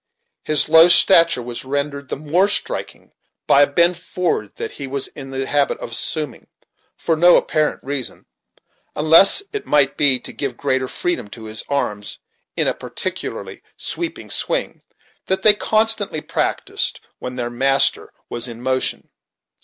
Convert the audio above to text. His low stature was rendered the more striking by a bend forward that he was in the habit of assuming, for no apparent reason, unless it might be to give greater freedom to his arms, in a particularly sweeping swing, that they constantly practised when their master was in motion.